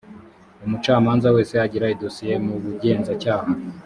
umucamanza wese agira idosiye mu bugenzacyaha